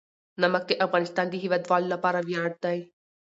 نمک د افغانستان د هیوادوالو لپاره ویاړ دی.